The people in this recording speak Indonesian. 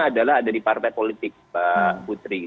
adalah ada di partai politik mbak putri